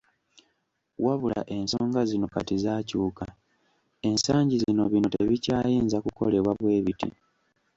"Wabula ensonga zino kati zaakyuka, ensangi zino bino tebikyayinza kukolebwa bwe biti."